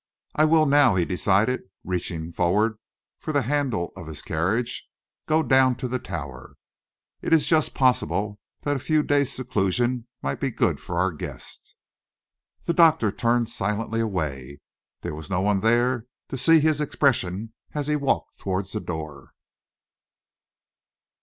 "I will now," he decided, reaching forward for the handle of his carriage, "go down to the Tower. It is just possible that a few days' seclusion might be good for our guest." The doctor turned silently away. There was no one there to see his expression as he walked towards the door.